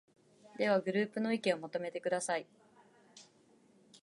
では、グループの意見をまとめてください。